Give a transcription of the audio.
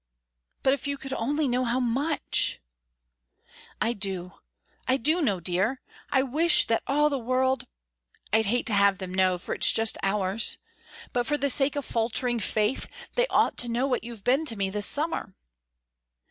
"But if you could only know how much." "I do know. I do know, dear. I wish that all the world I'd hate to have them know, for it's just ours but for the sake of faltering faith they ought to know what you've been to me this summer."